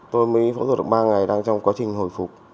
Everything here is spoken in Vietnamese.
tôi mới phẫu thuật được ba ngày đang trong quá trình hồi phục